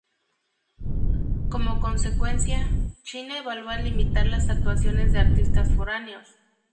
Como consecuencia, China evalúa limitar las actuaciones de artistas foráneos.